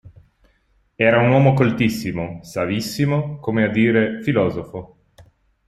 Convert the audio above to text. Era uomo coltissimo, savissimo, come a dire filosofo.